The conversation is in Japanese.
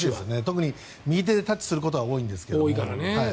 特に右手でタッチすることが多いんですが。